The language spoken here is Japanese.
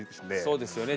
そうですよね